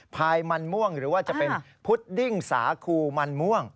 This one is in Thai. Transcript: พายมันม่วงหรือว่าจะเป็นพุดดิ้งสาคูมันม่วง